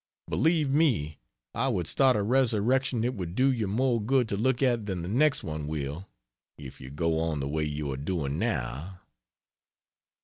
Believe me, I would start a resurrection it would do you more good to look at than the next one will, if you go on the way you are doing now.